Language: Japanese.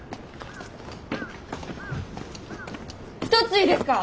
一ついいですか？